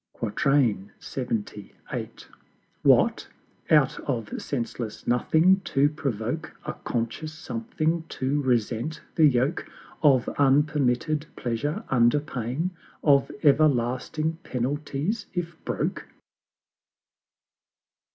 LXXVIII. What! out of senseless Nothing to provoke A conscious Something to resent the yoke Of unpermitted Pleasure, under pain Of Everlasting Penalties, if broke!